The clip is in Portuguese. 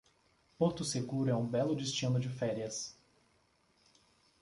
Porto Seguro é um belo destino de férias